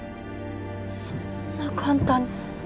そんな簡単に。